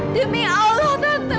demi allah tante